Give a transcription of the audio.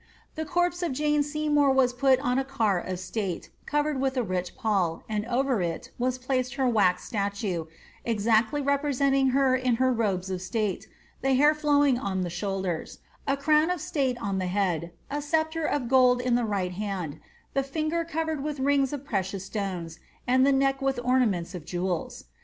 The corpse of Jane Seymour was put on a car of state^ covered with a rich pall, and over it was placed her wax statue, exacdy representing her in her robes of state, the hair flowing on the shoulders; a crown of state on the head, a sceptre of gold in the right hand, the finger covered with rings of precious stones, and the neck with orna ments of jewels.